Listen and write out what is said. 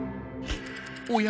おや？